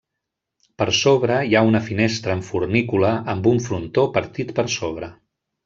Per sobre hi ha una finestra en fornícula, amb un frontó partit per sobre.